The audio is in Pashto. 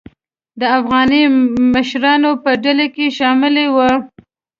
د افغاني مشرانو په ډله کې شامله وه.